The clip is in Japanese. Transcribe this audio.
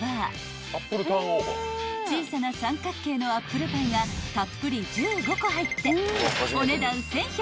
［小さな三角形のアップルパイがたっぷり１５個入ってお値段］